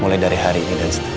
mulai dari hari ini dan